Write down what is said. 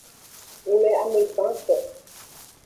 Ng le ame gbanto.